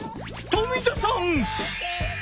冨田さん！